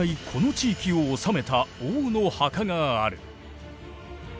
この地域を治めた王の墓がある。